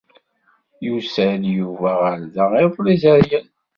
Yusa-d Yuba ɣer da iḍelli zeryen.